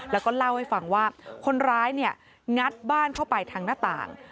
แล้วก็เล่าให้ฟังว่าคนร้ายเนี่ยงัดบ้านเข้าไปทางหน้าต่าง